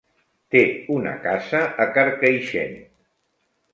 Té una casa a Carcaixent.